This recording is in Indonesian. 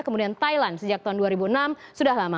kemudian thailand sejak tahun dua ribu enam sudah lama